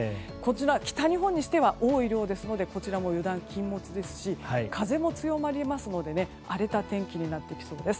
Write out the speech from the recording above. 北日本にしては多い量ですので油断禁物ですし風も強まりますので荒れた天気になってきそうです。